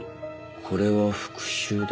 「これは復讐だ」？